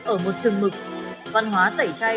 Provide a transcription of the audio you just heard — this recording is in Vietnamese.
ở một trường mực văn hóa tẩy chay